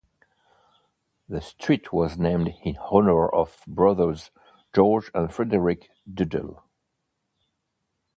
The street was named in honour of brothers George and Frederick Duddell.